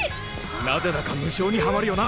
なぜだか無性にハマるよな！